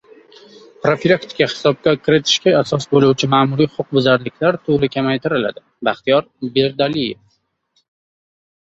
«Profilaktik hisobga kiritishga asos bo‘luvchi ma'muriy huquqbuzarliklar turi kamaytiriladi» – Baxtiyor Berdialiyev